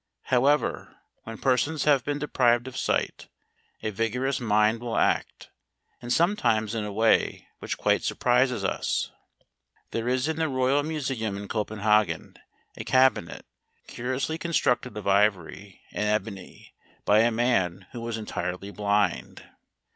However, when persons have been deprived of sight, a vigorous mind will act; and sometimes in a way which quite surprises us. There is in the Royal Museum in Copenhagen a cabinet, curiously constructed of ivory and ebony, by a man who was entirely blind.